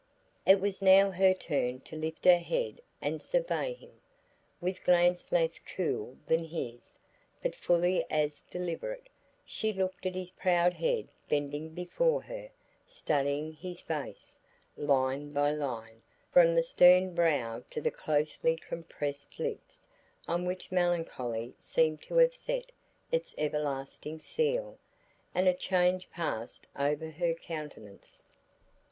It was now her turn to lift her head and survey him. With glance less cool than his, but fully as deliberate, she looked at his proud head bending before her; studying his face, line by line, from the stern brow to the closely compressed lips on which melancholy seemed to have set its everlasting seal, and a change passed over her countenance.